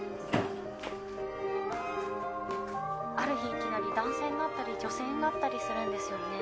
ある日いきなり男性になったり女性になったりするんですよね？